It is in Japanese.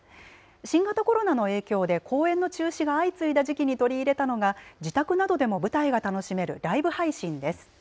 新型コロナの影響で公演の中止が相次いだ時期に取り入れたのが自宅などでも舞台が楽しめるライブ配信です。